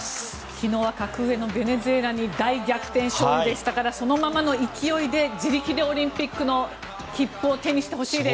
昨日は格上のベネズエラに大逆転勝利でしたからそのままの勢いで自力でオリンピックの切符を手にしてほしいです。